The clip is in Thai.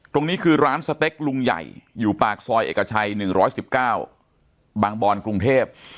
ตรงนี้คือร้านสเต็กลุงใหญ่อยู่ปากซอยเอกชัย๑๑๙บางบอนกรุงเทพ